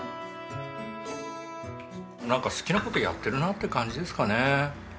なんか好きな事やってるなって感じですかね。